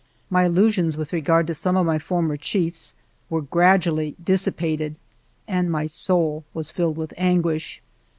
My illusions with regard to some of my former chiefs were gradually dissi pated, and my soul was filled with anguish.